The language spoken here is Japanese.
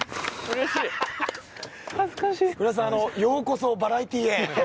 ようこそバラエティーへ。